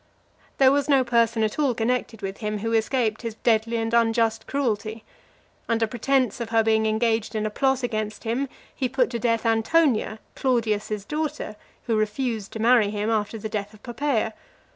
There was no person at all connected with him who escaped his deadly and unjust cruelty. Under pretence of her being engaged in a plot against him, he put to death Antonia, Claudius's daughter, who refused to marry him after the death of Poppaea.